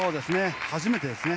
初めてですね。